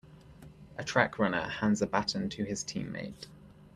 A track runner hands a baton to his teammate.